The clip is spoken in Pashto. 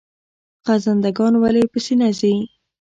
خزنده ګان ولې په سینه ځي؟